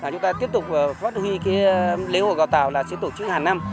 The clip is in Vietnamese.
chúng ta tiếp tục phát huy cái lễ hội gầu tàu là sẽ tổ chức hàng năm